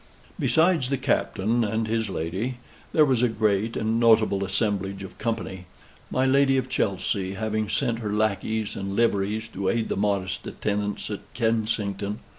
Besides the Captain and his lady, there was a great and notable assemblage of company: my Lady of Chelsey having sent her lackeys and liveries to aid the modest attendance at Kensington.